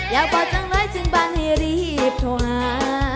อยากพอจังเลยถึงบ้านให้รีบโทรหา